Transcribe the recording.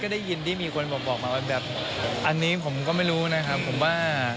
ก็ได้ยินว่าอันนี้ผมก็ไม่รู้นะผมว่า